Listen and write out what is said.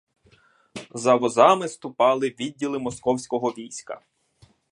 За возами ступали відділи московського війська.